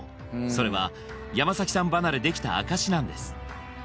それは山さん離れできた証しなんです